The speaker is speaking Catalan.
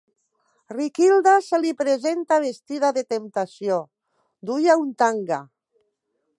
Riquilda se li presenta vestida de temptació. Duia un tanga.